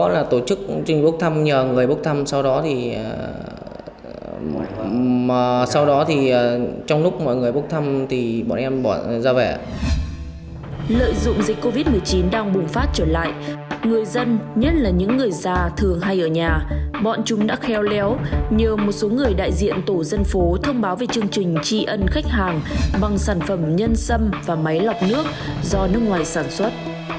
lợi dụng dịch covid một mươi chín đang bùng phát trở lại người dân nhất là những người già thường hay ở nhà bọn chúng đã kheo léo nhờ một số người đại diện tổ dân phố thông báo về chương trình tri ân khách hàng bằng sản phẩm nhân xâm và máy lọc nước do nước ngoài sản xuất